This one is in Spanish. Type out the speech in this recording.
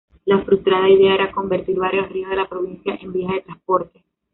La frustrada idea era convertir varios ríos de la provincia en vías de transporte.